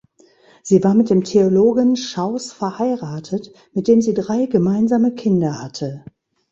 Sie war mit dem Theologen Schauß verheiratet, mit dem sie drei gemeinsame Kinder hatte.